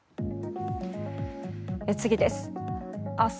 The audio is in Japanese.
次です。